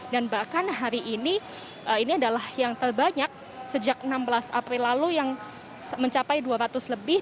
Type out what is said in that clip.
dan bahkan hari ini ini adalah yang terbanyak sejak enam belas april lalu yang mencapai dua ratus lebih